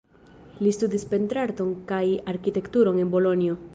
Li studis pentrarton kaj arkitekturon en Bolonjo.